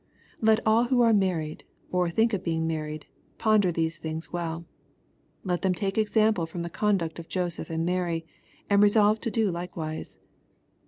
Let all who are married, or think of being married, ponder these things well. Let them take example from the conduct of Joseph and Mary, and resolve to do likewise.